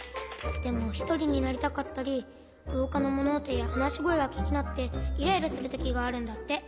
でもひとりになりたかったりろうかのものおとやはなしごえがきになってイライラするときがあるんだって。